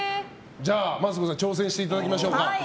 じゃあマツコさん挑戦していただきましょうか。